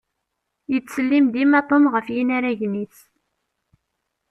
Yettsellim dima Tom ɣef yinaragen-is.